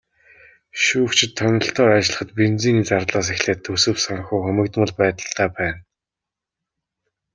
Шүүгчид томилолтоор ажиллахад бензиний зардлаас эхлээд төсөв санхүү хумигдмал байдалтай байна.